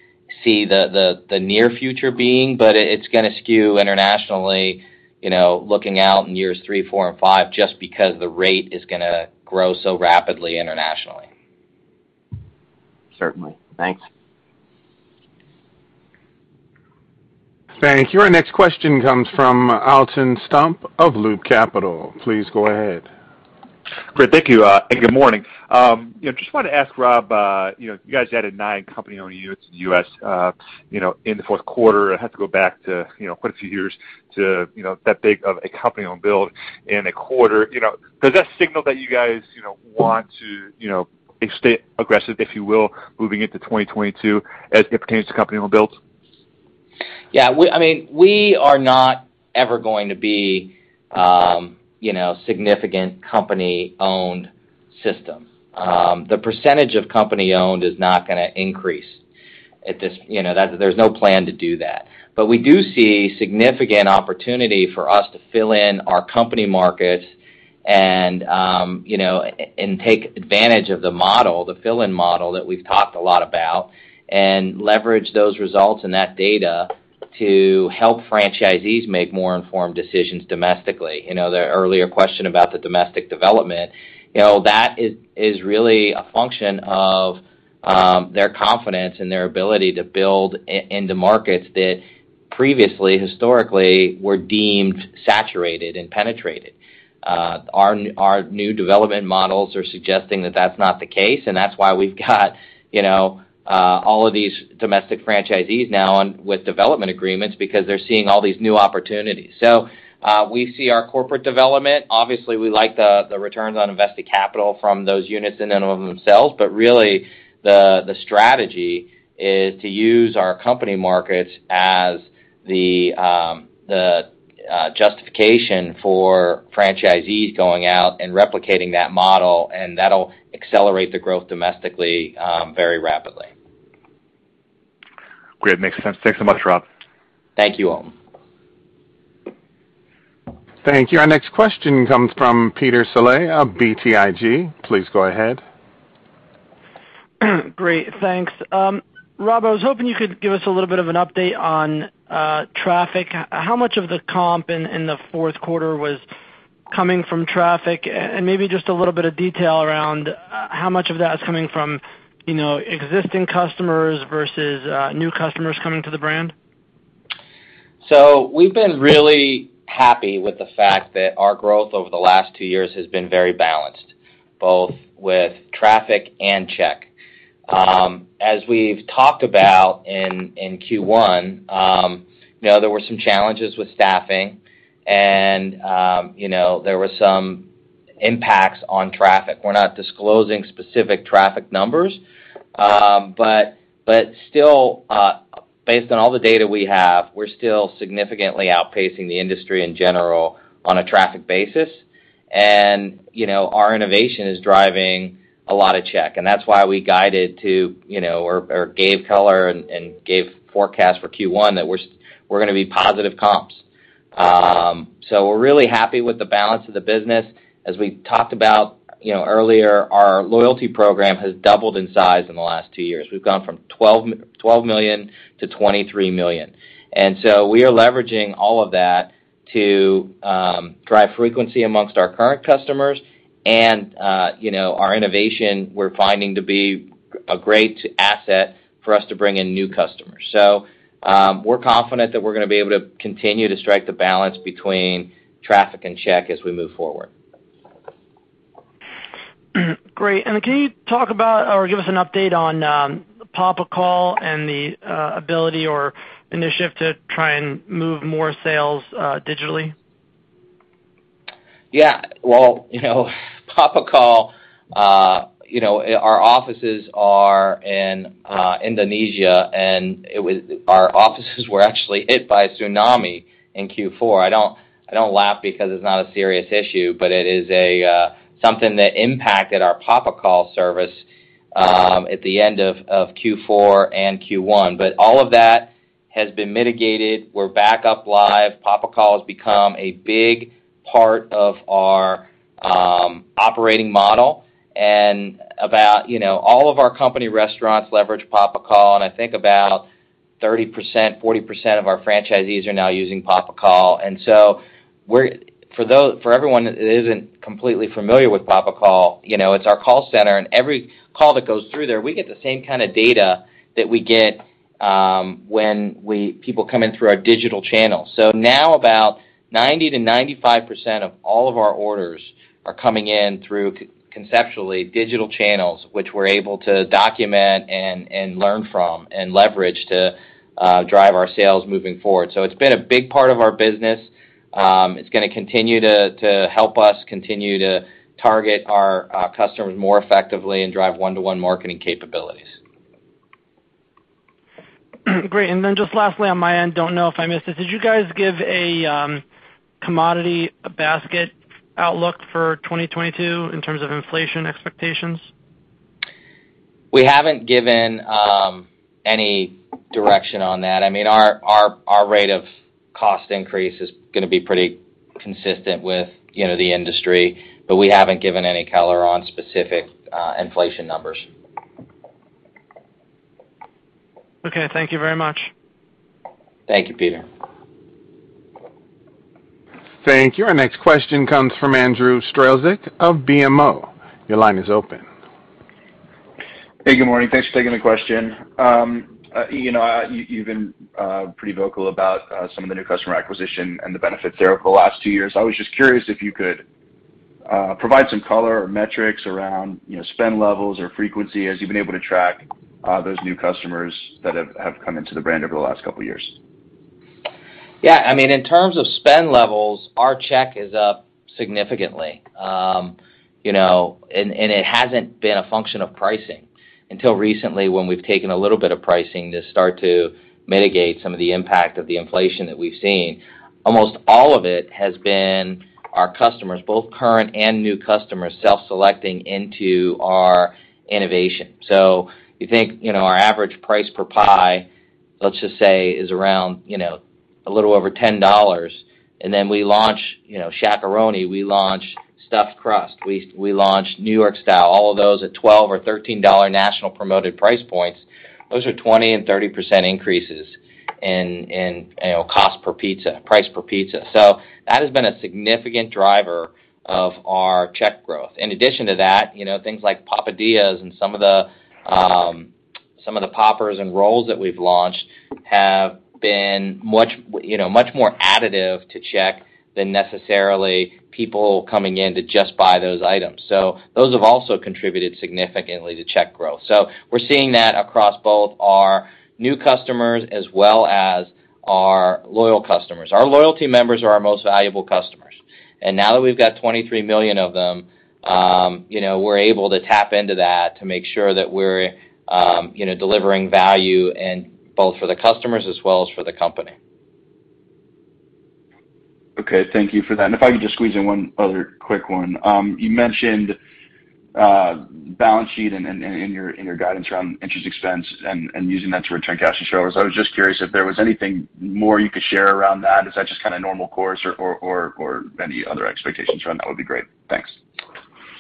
see the near future being, but it's gonna skew internationally, you know, looking out in years three, four, and five just because the rate is gonna grow so rapidly internationally. Certainly. Thanks. Thank you. Our next question comes from Alton Stump of Loop Capital. Please go ahead. Great. Thank you and good morning. You know, just wanted to ask Rob, you know, you guys added nine company-owned units in the U.S., you know, in the Q4. I have to go back to, you know, quite a few years to, you know, that big of a company-owned build in a quarter. You know, does that signal that you guys, you know, want to, you know, stay aggressive, if you will, moving into 2022 as it pertains to company-owned builds? I mean, we are not ever going to be, you know, significant company-owned system. The percentage of company-owned is not gonna increase. At this, you know, there's no plan to do that. We do see significant opportunity for us to fill in our company markets and take advantage of the model, the fill-in model that we've talked a lot about, and leverage those results and that data to help franchisees make more informed decisions domestically. The earlier question about the domestic development, that is really a function of their confidence in their ability to build into markets that previously, historically were deemed saturated and penetrated. Our new development models are suggesting that that's not the case, and that's why we've got, you know, all of these domestic franchisees now on with development agreements because they're seeing all these new opportunities. We see our corporate development. Obviously, we like the returns on invested capital from those units in and of themselves, but really the strategy is to use our company markets as the justification for franchisees going out and replicating that model, and that'll accelerate the growth domestically, very rapidly. Great. Makes sense. Thanks so much, Rob. Thank you, Alton. Thank you. Our next question comes from Peter Saleh of BTIG. Please go ahead. Great. Thanks. Rob, I was hoping you could give us a little bit of an update on traffic. How much of the comp in the Q4 was coming from traffic? And maybe just a little bit of detail around how much of that is coming from, you know, existing customers versus new customers coming to the brand. We've been really happy with the fact that our growth over the last two years has been very balanced, both with traffic and check. As we've talked about in Q1, you know, there were some challenges with staffing and, you know, there were some impacts on traffic. We're not disclosing specific traffic numbers, but still, based on all the data we have, we're still significantly outpacing the industry in general on a traffic basis. You know, our innovation is driving a lot of check, and that's why we guided to, you know, or gave color and gave forecast for Q1 that we're gonna be positive comps. We're really happy with the balance of the business. As we talked about, you know, earlier, our loyalty program has doubled in size in the last two years. We've gone from 12 million-23 million. We are leveraging all of that to drive frequency among our current customers and you know, our innovation we're finding to be a great asset for us to bring in new customers. We're confident that we're gonna be able to continue to strike the balance between traffic and check as we move forward. Great. Can you talk about or give us an update on PapaCall and the ability or initiative to try and move more sales digitally? Yeah. Well, you know, Papa Call, our offices are in Indonesia and our offices were actually hit by a tsunami in Q4. I don't laugh because it's not a serious issue, but it is something that impacted our PapaCall service at the end of Q4 and Q1. But all of that has been mitigated. We're back up live. PapaCall has become a big part of our operating model and about, you know, all of our company restaurants leverage Papa Call, and I think about 30%, 40% of our franchisees are now using PapaCall. For everyone that isn't completely familiar with PapaCall, you know, it's our call center, and every call that goes through there, we get the same kind of data that we get when people come in through our digital channel. Now about 90%-95% of all of our orders are coming in through conceptually digital channels, which we're able to document and learn from and leverage to drive our sales moving forward. It's been a big part of our business. It's gonna continue to help us continue to target our customers more effectively and drive one-to-one marketing capabilities. Great. Just lastly on my end, don't know if I missed it. Did you guys give a commodity basket outlook for 2022 in terms of inflation expectations? We haven't given any direction on that. I mean, our rate of cost increase is gonna be pretty consistent with, you know, the industry, but we haven't given any color on specific inflation numbers. Okay. Thank you very much. Thank you, Peter. Thank you. Our next question comes from Andrew Strelzik of BMO. Your line is open. Hey, good morning. Thanks for taking the question. You know, you've been pretty vocal about some of the new customer acquisition and the benefits there over the last two years. I was just curious if you could provide some color or metrics around, you know, spend levels or frequency as you've been able to track those new customers that have come into the brand over the last couple of years. Yeah. I mean, in terms of spend levels, our check is up significantly. You know, it hasn't been a function of pricing until recently when we've taken a little bit of pricing to start to mitigate some of the impact of the inflation that we've seen. Almost all of it has been our customers, both current and new customers, self-selecting into our innovation. You think, you know, our average price per pie. Let's just say is around, you know, a little over $10, and then we launch, you know, Shaq-a-Roni, we launch stuffed crust, we launch New York Style, all of those at $12 or $13 dollar national promoted price points. Those are 20% and 30% increases in, you know, cost per pizza, price per pizza. That has been a significant driver of our check growth. In addition to that, you know, things like Papadias and some of the, some of the poppers and rolls that we've launched have been much, you know, much more additive to check than necessarily people coming in to just buy those items. Those have also contributed significantly to check growth. We're seeing that across both our new customers as well as our loyal customers. Our loyalty members are our most valuable customers. Now that we've got 23 million of them, you know, we're able to tap into that to make sure that we're, you know, delivering value and both for the customers as well as for the company. Okay. Thank you for that. If I could just squeeze in one other quick one. You mentioned balance sheet in your guidance around interest expense and using that to return cash to shareholders. I was just curious if there was anything more you could share around that. Is that just kind of normal course or any other expectations around that would be great. Thanks.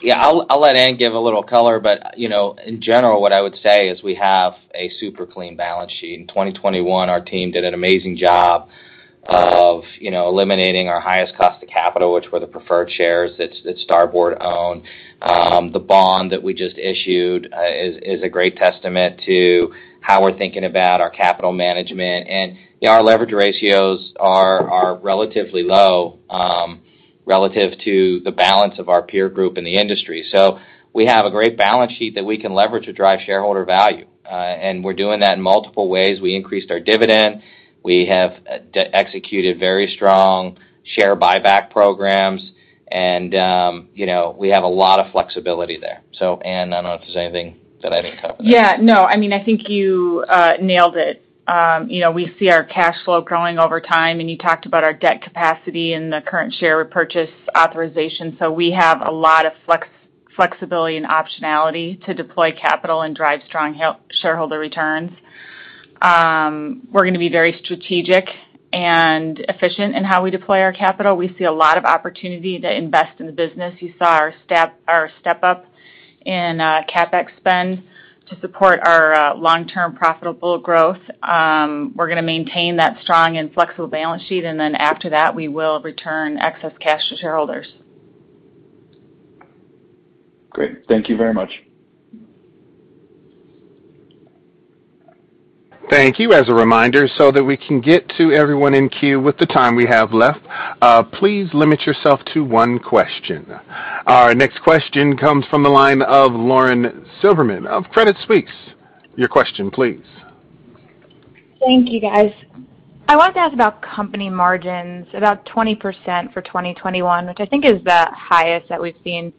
Yeah. I'll let Ann give a little color, but you know, in general, what I would say is we have a super clean balance sheet. In 2021, our team did an amazing job of you know, eliminating our highest cost of capital, which were the preferred shares that Starboard owned. The bond that we just issued is a great testament to how we're thinking about our capital management. You know, our leverage ratios are relatively low relative to the balance of our peer group in the industry. So we have a great balance sheet that we can leverage to drive shareholder value. We're doing that in multiple ways. We increased our dividend. We have executed very strong share buyback programs, and you know, we have a lot of flexibility there. Ann, I don't know if there's anything that I didn't cover there. Yeah. No. I mean, I think you nailed it. You know, we see our cash flow growing over time, and you talked about our debt capacity and the current share purchase authorization. We have a lot of flexibility and optionality to deploy capital and drive strong shareholder returns. We're gonna be very strategic and efficient in how we deploy our capital. We see a lot of opportunity to invest in the business. You saw our step up in CapEx spend to support our long-term profitable growth. We're gonna maintain that strong and flexible balance sheet, and then after that, we will return excess cash to shareholders. Great. Thank you very much. Thank you. As a reminder, so that we can get to everyone in queue with the time we have left, please limit yourself to one question. Our next question comes from the line of Lauren Silberman of Credit Suisse. Your question, please. Thank you, guys. I wanted to ask about company margins, about 20% for 2021, which I think is the highest that we've seen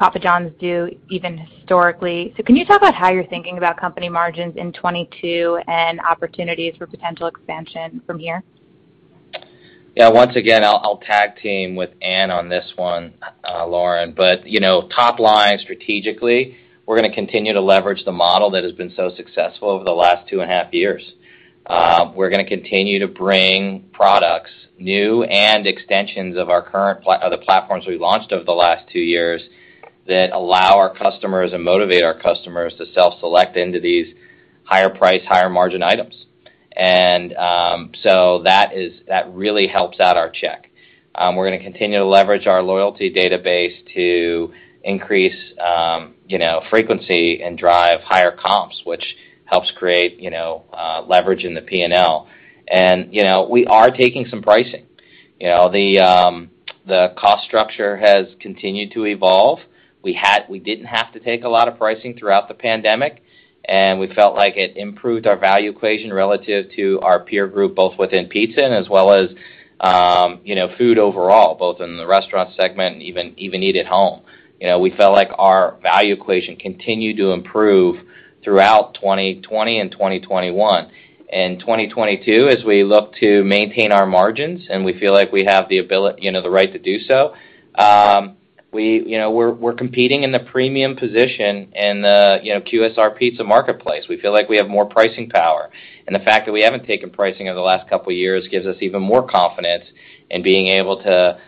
Papa John's do even historically. Can you talk about how you're thinking about company margins in 2022 and opportunities for potential expansion from here? Yeah. Once again, I'll tag team with Ann on this one, Lauren. You know, top line strategically, we're gonna continue to leverage the model that has been so successful over the last 2.5 years. We're gonna continue to bring new products and extensions of our current platforms we launched over the last two years that allow our customers and motivate our customers to self-select into these higher price, higher margin items. That really helps out our check. We're gonna continue to leverage our loyalty database to increase, you know, frequency and drive higher comps, which helps create, you know, leverage in the P&L. You know, we are taking some pricing. You know, the cost structure has continued to evolve. We didn't have to take a lot of pricing throughout the pandemic, and we felt like it improved our value equation relative to our peer group, both within pizza and as well as, food overall, both in the restaurant segment and even eat at home. We felt like our value equation continued to improve throughout 2020 and 2021. In 2022, as we look to maintain our margins, and we feel like we have the right to do so, we're competing in the premium position in the QSR pizza marketplace. We feel like we have more pricing power. The fact that we haven't taken pricing over the last couple years gives us even more confidence in being able to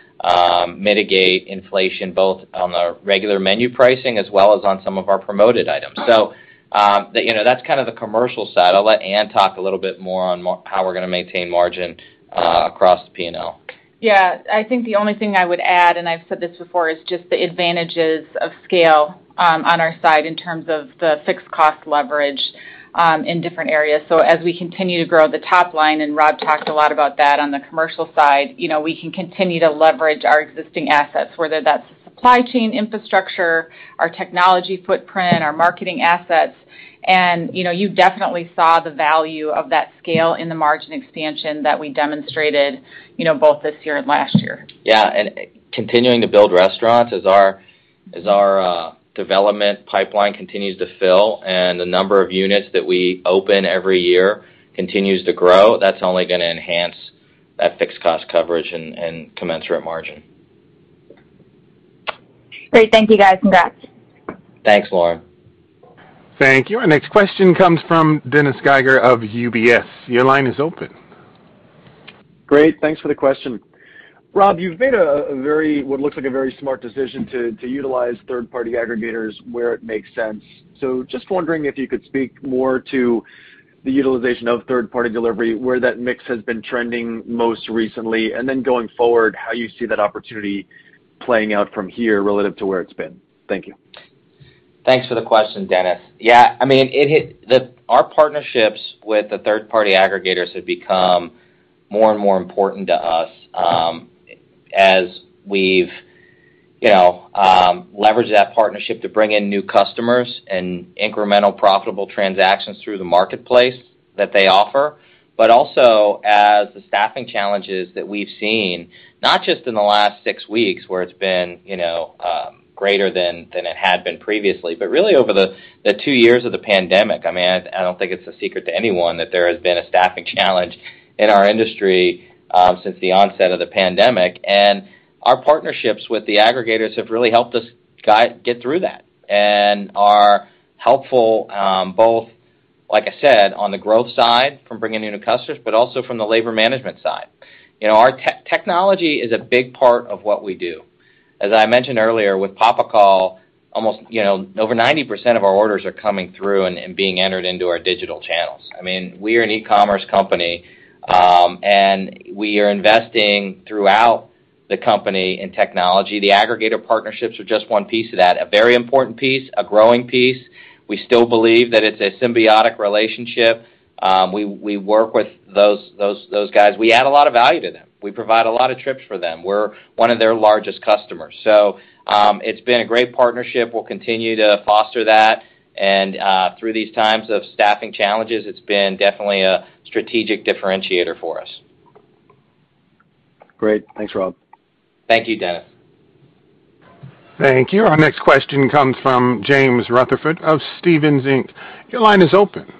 mitigate inflation both on our regular menu pricing as well as on some of our promoted items. You know, that's kind of the commercial side. I'll let Ann talk a little bit more on how we're gonna maintain margin across the P&L. Yeah. I think the only thing I would add, and I've said this before, is just the advantages of scale, on our side in terms of the fixed cost leverage, in different areas. As we continue to grow the top line, and Rob talked a lot about that on the commercial side, you know, we can continue to leverage our existing assets, whether that's supply chain infrastructure, our technology footprint, our marketing assets. You know, you definitely saw the value of that scale in the margin expansion that we demonstrated, you know, both this year and last year. Yeah. Continuing to build restaurants as our development pipeline continues to fill and the number of units that we open every year continues to grow, that's only gonna enhance that fixed cost coverage and commensurate margin. Great. Thank you, guys. Congrats. Thanks, Lauren. Thank you. Our next question comes from Dennis Geiger of UBS. Your line is open. Great. Thanks for the question. Rob, you've made what looks like a very smart decision to utilize third-party aggregators where it makes sense. Just wondering if you could speak more to the utilization of third-party delivery, where that mix has been trending most recently, and then going forward, how you see that opportunity playing out from here relative to where it's been. Thank you. Thanks for the question, Dennis. Yeah, I mean, our partnerships with the third-party aggregators have become more and more important to us, as we've, you know, leveraged that partnership to bring in new customers and incremental profitable transactions through the marketplace that they offer. Also as the staffing challenges that we've seen, not just in the last six weeks where it's been, you know, greater than it had been previously, but really over the two years of the pandemic. I mean, I don't think it's a secret to anyone that there has been a staffing challenge in our industry, since the onset of the pandemic. Our partnerships with the aggregators have really helped us get through that and are helpful, like I said, on the growth side from bringing new customers, but also from the labor management side. You know, our technology is a big part of what we do. As I mentioned earlier, with PapaCall, almost, you know, over 90% of our orders are coming through and being entered into our digital channels. I mean, we are an e-commerce company, and we are investing throughout the company in technology. The aggregator partnerships are just one piece of that, a very important piece, a growing piece. We still believe that it's a symbiotic relationship. We work with those guys. We add a lot of value to them. We provide a lot of trips for them. We're one of their largest customers. It's been a great partnership. We'll continue to foster that. Through these times of staffing challenges, it's been definitely a strategic differentiator for us. Great. Thanks, Rob. Thank you, Dennis. Thank you. Our next question comes from James Rutherford of Stephens Inc. Your line is open.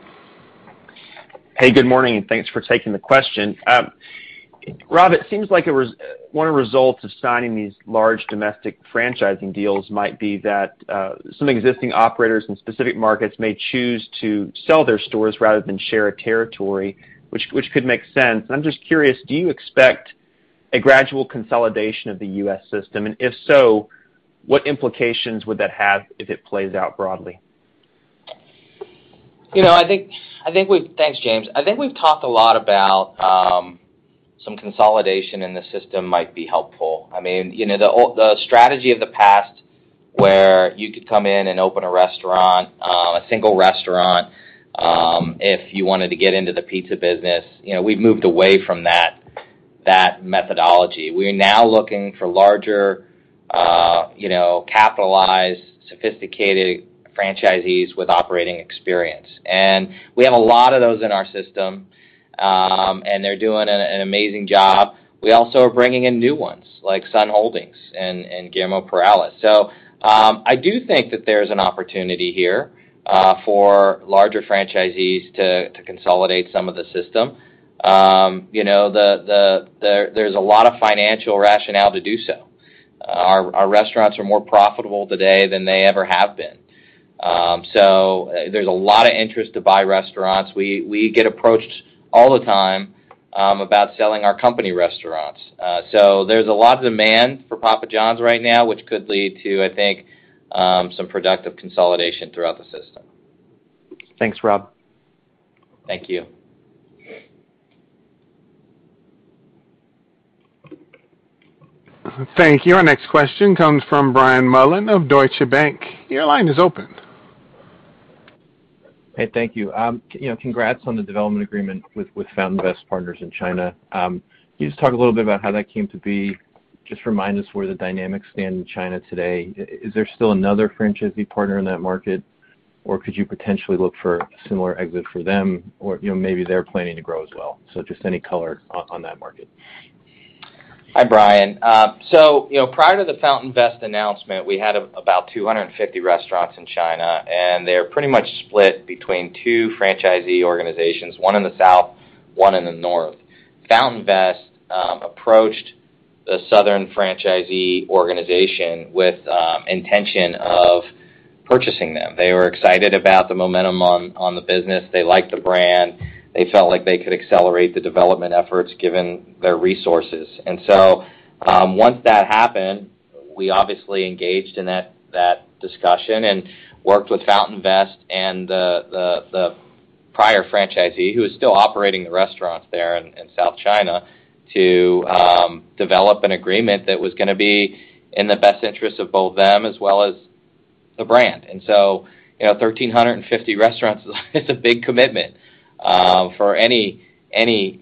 Hey, good morning, and thanks for taking the question. Rob, it seems like one of the results of signing these large domestic franchising deals might be that some existing operators in specific markets may choose to sell their stores rather than share a territory, which could make sense. I'm just curious, do you expect a gradual consolidation of the U.S. system? If so, what implications would that have if it plays out broadly? You know, I think we've. Thanks, James. I think we've talked a lot about some consolidation in the system might be helpful. I mean, you know, the strategy of the past where you could come in and open a restaurant, a single restaurant, if you wanted to get into the pizza business, you know, we've moved away from that methodology. We're now looking for larger, you know, capitalized, sophisticated franchisees with operating experience. We have a lot of those in our system, and they're doing an amazing job. We also are bringing in new ones like Sun Holdings and Guillermo Perales. I do think that there's an opportunity here for larger franchisees to consolidate some of the system. You know, there's a lot of financial rationale to do so. Our restaurants are more profitable today than they ever have been. There's a lot of interest to buy restaurants. We get approached all the time about selling our company restaurants. There's a lot of demand for Papa Johns right now, which could lead to, I think, some productive consolidation throughout the system. Thanks, Rob. Thank you. Thank you. Our next question comes from Brian Mullan of Deutsche Bank. Your line is open. Hey, thank you. You know, congrats on the development agreement with FountainVest Partners in China. Can you just talk a little bit about how that came to be? Just remind us where the dynamics stand in China today. Is there still another franchisee partner in that market, or could you potentially look for a similar exit for them? Or, you know, maybe they're planning to grow as well. Just any color on that market. Hi, Brian. You know, prior to the FountainVest announcement, we had about 250 restaurants in China, and they're pretty much split between two franchisee organizations, one in the south, one in the north. FountainVest approached the southern franchisee organization with intention of purchasing them. They were excited about the momentum on the business. They liked the brand. They felt like they could accelerate the development efforts given their resources. Once that happened, we obviously engaged in that discussion and worked with FountainVest and the prior franchisee who is still operating the restaurants there in South China to develop an agreement that was gonna be in the best interest of both them as well as the brand. You know, 1,350 restaurants is a big commitment for any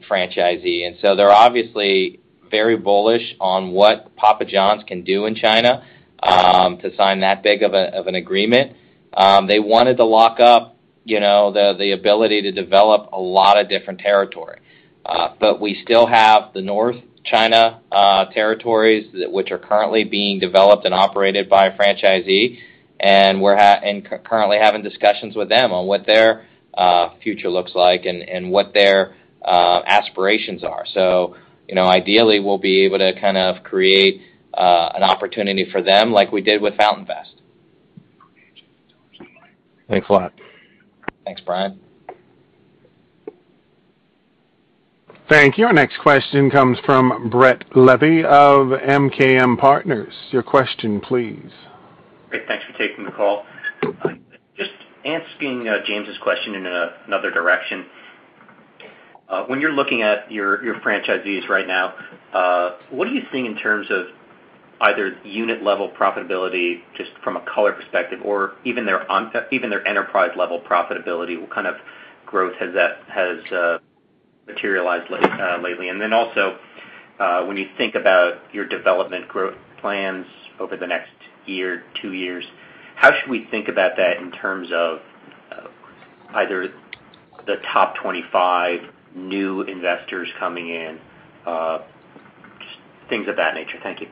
franchisee. They're obviously very bullish on what Papa Johns can do in China to sign that big of an agreement. They wanted to lock up, you know, the ability to develop a lot of different territory. We still have the North China territories which are currently being developed and operated by a franchisee. We're currently having discussions with them on what their future looks like and what their aspirations are. You know, ideally, we'll be able to kind of create an opportunity for them like we did with FountainVest Partners. Thanks a lot. Thanks, Brian. Thank you. Our next question comes from Brett Levy of MKM Partners. Your question, please. Great. Thanks for taking the call. Just asking James' question in another direction. When you're looking at your franchisees right now, what are you seeing in terms of either unit level profitability just from a color perspective or even their enterprise level profitability? What kind of growth has materialized lately? And then also, when you think about your development growth plans over the next year, two years, how should we think about that in terms of either the top 25 new investors coming in, just things of that nature? Thank you.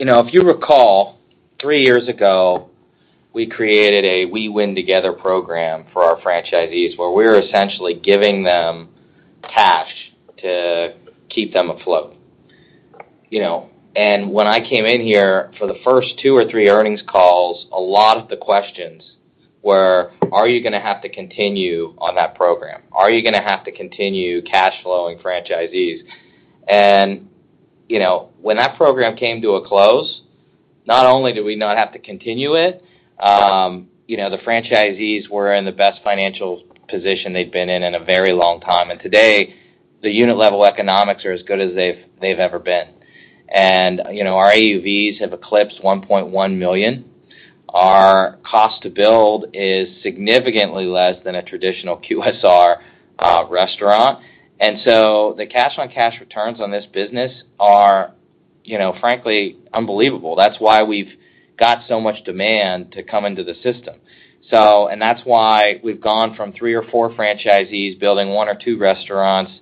You know, if you recall, three years ago, we created a We Win Together program for our franchisees, where we're essentially giving them cash to keep them afloat. You know, when I came in here, for the first two or three earnings calls, a lot of the questions were, "Are you gonna have to continue on that program? Are you gonna have to continue cash flowing franchisees?" You know, when that program came to a close, not only did we not have to continue it, you know, the franchisees were in the best financial position they'd been in a very long time. Today, the unit level economics are as good as they've ever been. You know, our AUVs have eclipsed $1.1 million. Our cost to build is significantly less than a traditional QSR restaurant. The cash-on-cash returns on this business are, you know, frankly unbelievable. That's why we've got so much demand to come into the system. That's why we've gone from three or four franchisees building one or two restaurants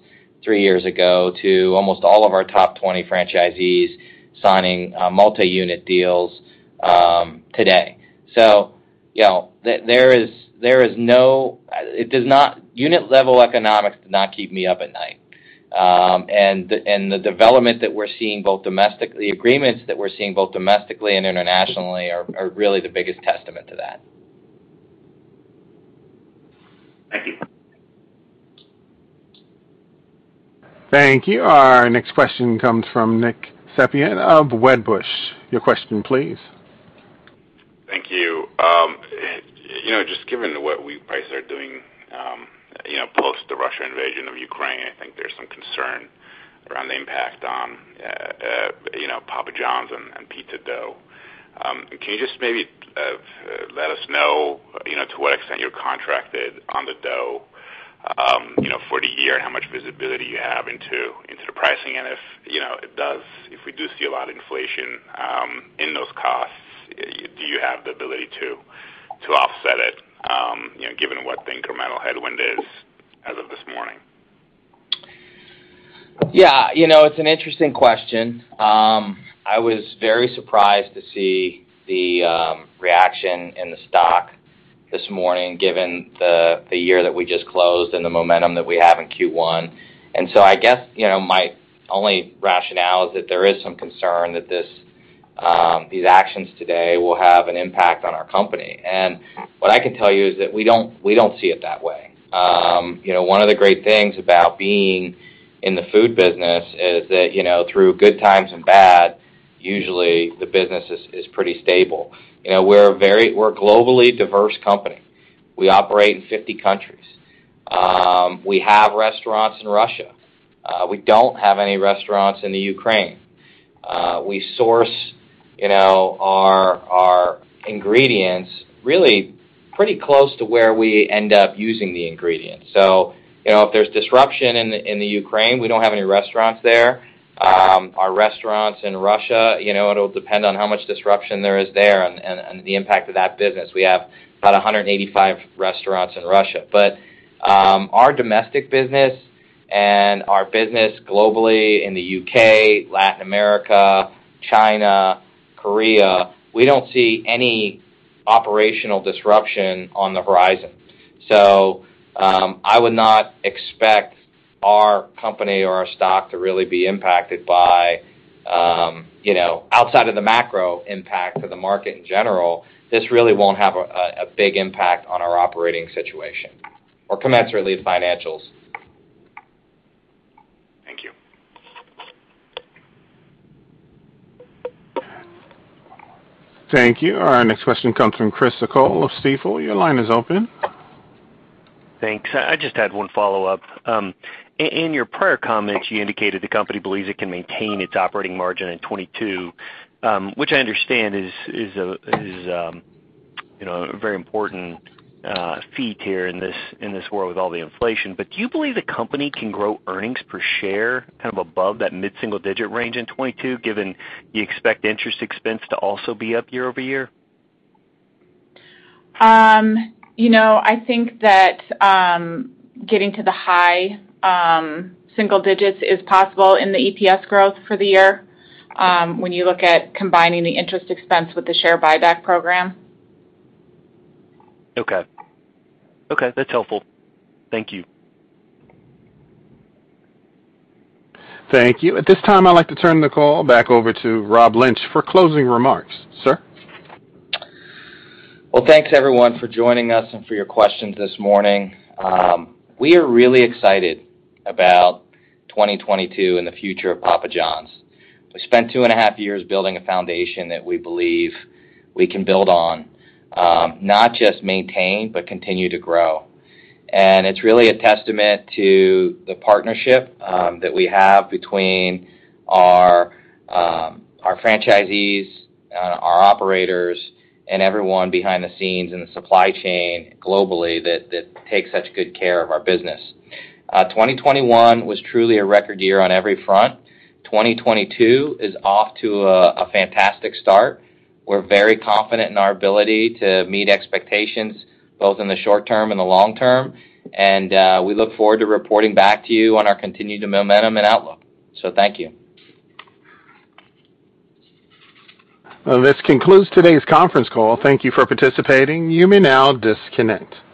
three years ago to almost all of our top 20 franchisees signing multi-unit deals today. You know, unit-level economics do not keep me up at night. The development that we're seeing, the agreements that we're seeing both domestically and internationally, are really the biggest testament to that. Thank you. Thank you. Our next question comes from Nick Setyan of Wedbush. Your question please. Thank you. You know, just given what wheat prices are doing, you know, post the Russian invasion of Ukraine, I think there's some concern around the impact on, you know, Papa John's and pizza dough. Can you just maybe let us know, you know, to what extent you're contracted on the dough, you know, for the year, and how much visibility you have into the pricing? If, you know, it does, if we do see a lot of inflation in those costs, do you have the ability to offset it, you know, given what the incremental headwind is as of this morning? Yeah. You know, it's an interesting question. I was very surprised to see the reaction in the stock this morning given the year that we just closed and the momentum that we have in Q1. I guess, you know, my only rationale is that there is some concern that these actions today will have an impact on our company. What I can tell you is that we don't see it that way. You know, one of the great things about being in the food business is that, you know, through good times and bad, usually the business is pretty stable. You know, we're a globally diverse company. We operate in 50 countries. We have restaurants in Russia. We don't have any restaurants in the Ukraine. We source, you know, our ingredients really pretty close to where we end up using the ingredients. You know, if there's disruption in the Ukraine, we don't have any restaurants there. Our restaurants in Russia, you know, it'll depend on how much disruption there is there and the impact of that business. We have about 185 restaurants in Russia. Our domestic business and our business globally in the U.K., Latin America, China, Korea, we don't see any operational disruption on the horizon. I would not expect our company or our stock to really be impacted by, you know, outside of the macro impact of the market in general. This really won't have a big impact on our operating situation or commensurately financials. Thank you. Thank you. Our next question comes from Chris O'Cull of Stifel. Your line is open. Thanks. I just had one follow-up. In your prior comments, you indicated the company believes it can maintain its operating margin in 2022, which I understand is, you know, a very important feat here in this world with all the inflation. Do you believe the company can grow earnings per share kind of above that mid-single digit range in 2022, given you expect interest expense to also be up year-over-year? You know, I think that getting to the high single digits is possible in the EPS growth for the year, when you look at combining the interest expense with the share buyback program. Okay. Okay, that's helpful. Thank you. Thank you. At this time, I'd like to turn the call back over to Rob Lynch for closing remarks. Sir? Well, thanks everyone for joining us and for your questions this morning. We are really excited about 2022 and the future of Papa Johns. We spent 2.5 years building a foundation that we believe we can build on, not just maintain, but continue to grow. It's really a testament to the partnership that we have between our franchisees, our operators and everyone behind the scenes in the supply chain globally that take such good care of our business. 2021 was truly a record year on every front. 2022 is off to a fantastic start. We're very confident in our ability to meet expectations both in the short term and the long term. We look forward to reporting back to you on our continued momentum and outlook. Thank you. This concludes today's conference call. Thank you for participating. You may now disconnect.